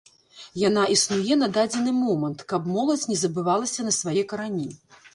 Яна існуе на дадзены момант, каб моладзь не забывалася на свае карані.